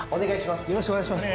よろしくお願いします。